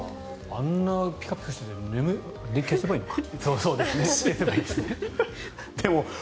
あんなピカピカしてて寝る消せばいいのか。